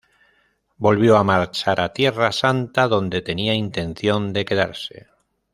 Volvió a marchar a Tierra Santa, donde tenía intención de quedarse.